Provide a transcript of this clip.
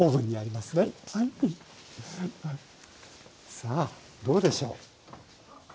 さあどうでしょう？